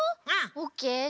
オッケー。